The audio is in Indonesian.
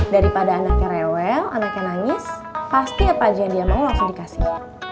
daripada anaknya rewel anaknya nangis pasti apa aja dia mau langsung dikasih